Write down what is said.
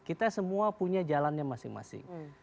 kita semua punya jalannya masing masing